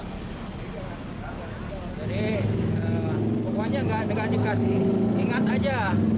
jadi pokoknya enggak dikasih ingat aja